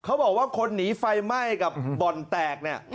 เขาบอกว่าคนหนีไฟไหม้กับบ่อนแตกเนี่ย